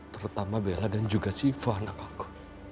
terutama bella dan juga siva anak allah